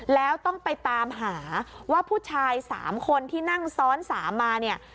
แล้วต้องไปตามหาว่าผู้ชาย๓คนที่นั่งซ้อน๓มาเนี่ย